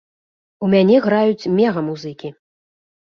У мяне граюць мега-музыкі.